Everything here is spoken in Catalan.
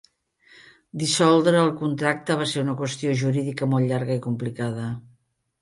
Dissoldre el contracte va ser una qüestió jurídica molt llarga i complicada.